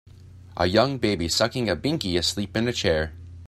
a young baby sucking a Binky asleep in a chair.